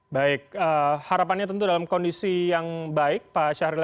baik harapannya tentu dalam kondisi yang baik pak syahril